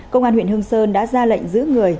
công an huyện hương sơn đã ra lệnh giữ người